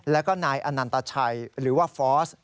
แล้วก็นายอนันตชัยหรือว่าฟอร์ส